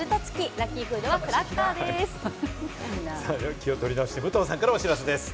気を取り直して、武藤さんからお知らせです。